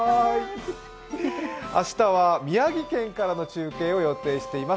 明日は宮城県からの中継を予定しています。